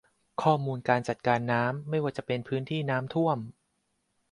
ข้อมูลการจัดการน้ำไม่ว่าจะเป็นพื้นที่น้ำท่วม